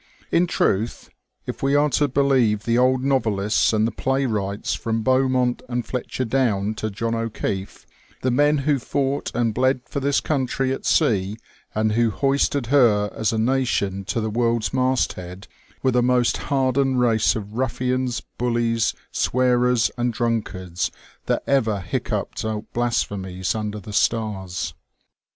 In truth, if we are to believe the old novelists and the playwrights from Beaumont and Fletcher down to John O'Keeffe, the men who fought and bled for this country at sea, and who hoisted her as a THE OLD NAVAL SEASONQ. 241 nation to the world's masthead, were the most hardened race of ruflSans, huUies, swearers, and drunkards that ever hiccoughed out blasphemies under the stars.